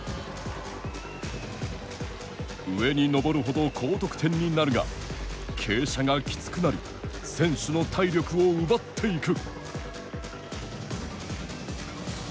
上に登るほど高得点になるが傾斜がきつくなり選手の体力を奪っていく。